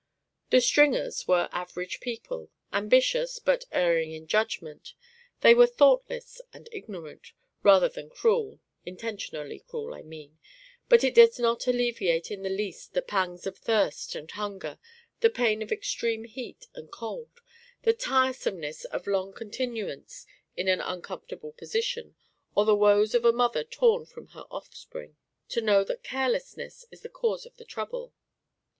The Stringers were average people, ambitious, but erring in judgment. They were thoughtless and ignorant, rather than cruel intentionally cruel, I mean; but it does not alleviate in the least the pangs of thirst and hunger, the pain of extreme heat and cold, the tiresomeness of long continuance in an uncomfortable position, or the woes of a mother torn from her offspring, to know that carelessness is the cause of the trouble.